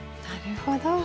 なるほど。